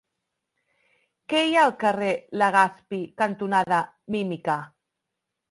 Què hi ha al carrer Legazpi cantonada Mímica?